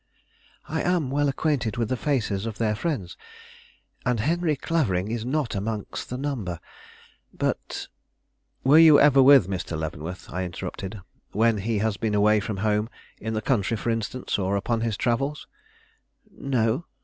"I am well acquainted with the faces of their friends, and Henry Clavering is not amongst the number; but " "Were you ever with Mr. Leavenworth," I interrupted, "when he has been away from home; in the country, for instance, or upon his travels?" "No."